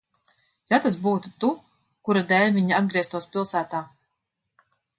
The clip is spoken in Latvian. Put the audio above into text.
Ja tas būtu tu, kura dēļ viņi atgrieztos pilsētā?